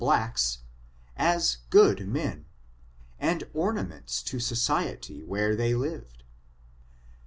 201 blacks, as good tneti, and ornaments to society where they lived.